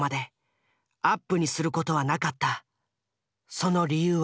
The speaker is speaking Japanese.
その理由は？